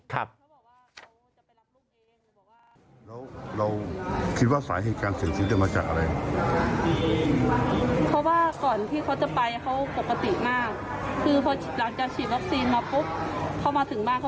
แค่๒ชั่วโมงแฟนก็เสียเลยอะไรอย่างนี้ค่ะ